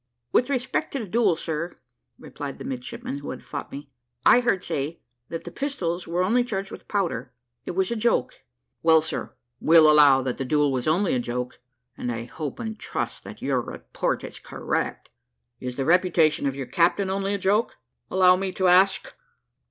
"With respect to the duel, sir," replied the midshipman who had fought me, "I heard say, that the pistols were only charged with powder. It was a joke." "Well, sir, we'll allow that the duel was only a joke (and I hope and trust that your report is correct); is the reputation of your captain only a joke, allow me to ask?